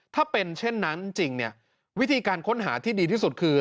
ถ้าเป็นเช่นนั้นจริงเนี่ยวิธีการค้นหาที่ดีที่สุดคือ